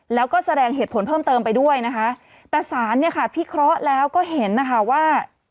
แล้วก็แสดงเหตุผลเพิ่มเติมไปด้วยนะคะแต่สารเนี่ยค่ะพิเคราะห์แล้วก็เห็นนะคะว่า